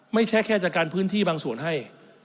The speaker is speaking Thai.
ไม่ใช่แค่จัดการพื้นที่บางส่วนให้